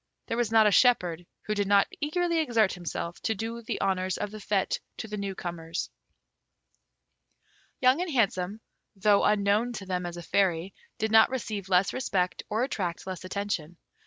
There was not a shepherd who did not eagerly exert himself to do the honours of the fête to the new comers. Young and Handsome, though unknown to them as a Fairy, did not receive less respect or attract less attention.